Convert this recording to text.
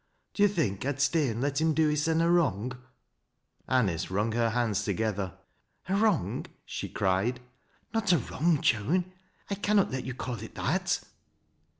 Do yo' think I'd stay an' let him do hissen a wrong ?" Anice wrung her hands together. " A wrong ?" she cried. " Not a wrong, Joan — 1 can not let you call it that."